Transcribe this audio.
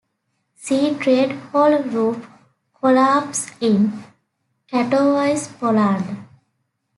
See Trade hall roof collapse in Katowice, Poland.